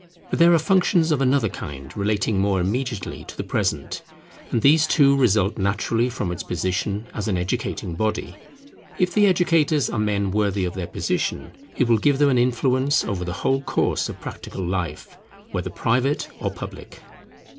But there are functions of another kind, relating more immediately to the present; and these too result naturally from its position as an educating body. If the educators are men worthy of their position, it will give them an influence over the whole course of practical life, whether private or public.